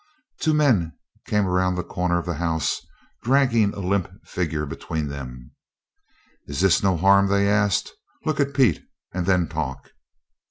Two men came around the corner of the house, dragging a limp figure between them. "Is this no harm?" they asked. "Look at Pete, and then talk."